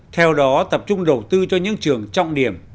theo đó tập trung đầu tư cho những trường trọng điểm